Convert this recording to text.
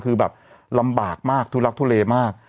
คือแบบลำบากมากทุลักทุเลมาก